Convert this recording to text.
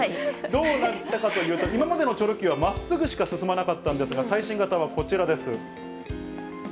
どうなったかというと、今までのチョロＱはまっすぐしか進まなかったんですが、最新型はこちらです。